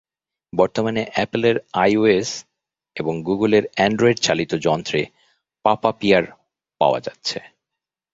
বর্তমানে অ্যাপলের আইওএস এবং গুগলের অ্যান্ড্রয়েড-চালিত যন্ত্রে পাপা পিয়ার পাওয়া যাচ্ছে।